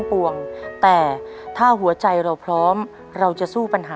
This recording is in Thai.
เพื่อหัวใจรักที่เขามีต่อพ่อแม่